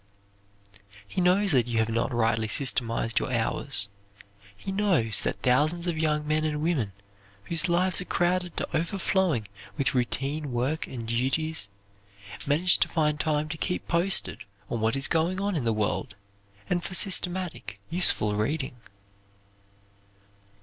He knows that you have not rightly systemized your hours. He knows that thousands of young men and women whose lives are crowded to overflowing with routine work and duties, manage to find time to keep posted on what is going on in the world, and for systematic, useful reading.